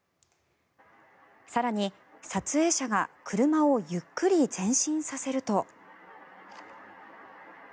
更に、撮影者が車をゆっくり前進させると。